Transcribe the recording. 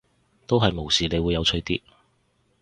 都係無視你會有趣啲